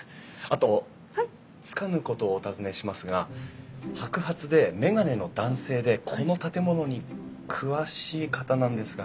あとつかぬ事をお尋ねしますが白髪で眼鏡の男性でこの建物に詳しい方なんですがご存じないですか？